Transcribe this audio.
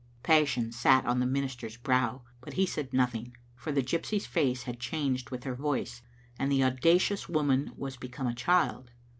Passion sat on the minister's brow, but he said noth* ing, for the gypsy's face had changed with her voice, and the audacious woman was become a child.